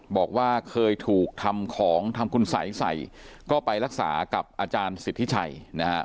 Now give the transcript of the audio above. บอกว่าเคยถูกทำของทำคุณสัยใส่ก็ไปรักษากับอาจารย์สิทธิชัยนะฮะ